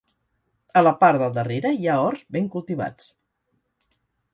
A la part del darrere hi ha horts ben cultivats.